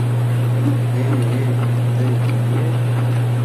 — Э-э, тый тыге?